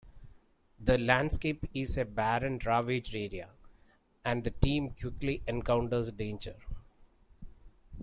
The landscape is a barren, ravaged area, and the team quickly encounters danger.